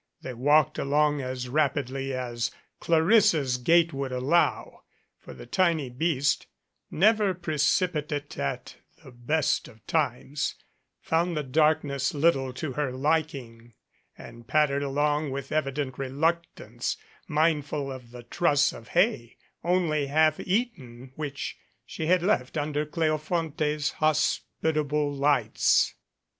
They walked along as rapidly as Clarissa's gait would allow, 215 MADCAP for the tiny beast, never precipitate at the best of times, found the darkness little to her liking and pattered along with evident reluctance, mindful of the truss of hay only half eaten which she had left under Cleof onte's hospitable lights.